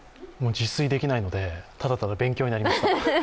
自炊できないので、ただただ勉強になりました。